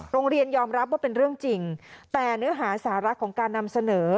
ยอมรับว่าเป็นเรื่องจริงแต่เนื้อหาสาระของการนำเสนอ